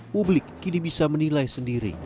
publik kini bisa menilai sendiri